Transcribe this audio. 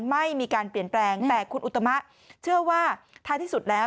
ไม่มีการเปลี่ยนแปลงแต่คุณอุตมะเชื่อว่าท้ายที่สุดแล้ว